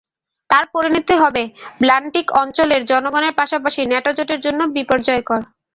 তার পরিণতি হবে বাল্টিক অঞ্চলের জনগণের পাশাপাশি ন্যাটো জোটের জন্য বিপর্যয়কর।